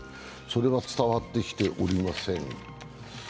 それは伝わってきておりません。